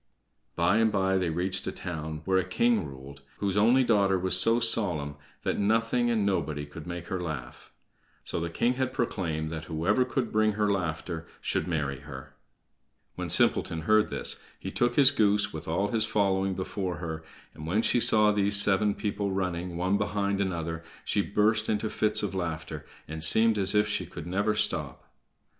By and by they reached a town where a king ruled whose only daughter was so solemn that nothing and nobody could make her laugh. So the king had proclaimed that whoever could bring her laughter should marry her. When Simpleton heard this he took his goose, with all his following, before her, and when she saw these seven people running, one behind another, she burst into fits of laughter, and seemed as if she could never stop.